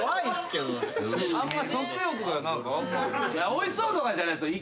おいしそうとかじゃないですよ。